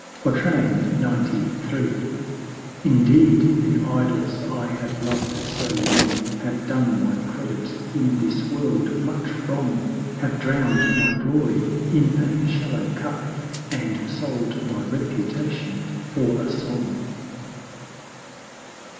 XCIII. Indeed the Idols I have loved so long Have done my credit in this World much wrong: Have drown'd my Glory in a shallow Cup, And sold my reputation for a Song.